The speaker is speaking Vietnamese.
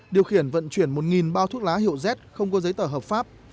điều khiển vận chuyển một bao thuốc lá hiệu z không có giấy tờ hợp pháp